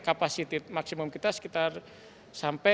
kapasiti maksimum kita sekitar sampai dua